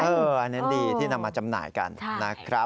อันนั้นดีที่นำมาจำหน่ายกันนะครับ